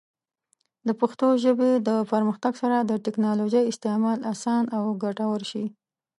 د پښتو ژبې د پرمختګ سره، د ټیکنالوجۍ استعمال اسانه او ګټور شي.